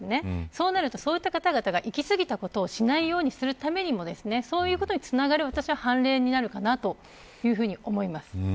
そうするとそういった方々がいきすぎたことをしないようにするためにもそういうことにつながる判例になるかなと思います。